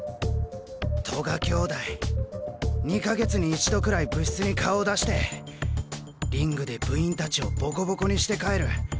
戸賀兄弟２か月に一度くらい部室に顔を出してリングで部員達をボコボコにして帰る。